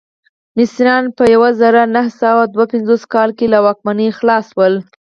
مصریان په یو زرو نهه سوه دوه پنځوس کال کې له واکمنۍ خلاص شول.